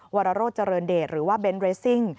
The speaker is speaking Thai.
วรโรธเจริญเดชหรือว่าเบนทเรสซิ่ง